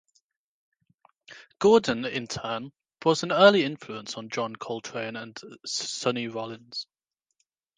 Gordon, in turn, was an early influence on John Coltrane and Sonny Rollins.